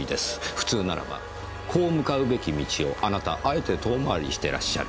普通ならばこう向かうべき道をあなたあえて遠回りしてらっしゃる。